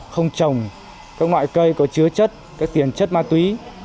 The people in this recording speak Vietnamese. không trồng các loại cây có chứa chất tiền chất ma túy